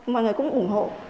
mọi người cũng ủng hộ